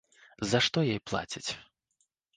За што ёй плацяць?